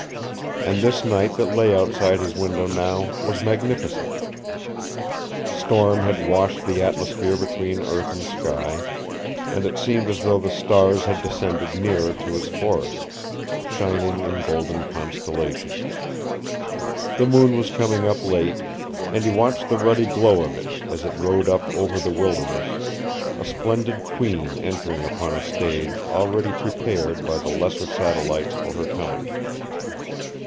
And this night that lay outside his window now was magnificent. Storm had washed the atmosphere between earth and sky, and it seemed as though the stars had descended nearer to his forests, shining in golden constellations. The moon was coming up late, and he watched the ruddy glow of it as it rode up over the wilderness, a splendid queen entering upon a stage already prepared by the lesser satellites for her coming.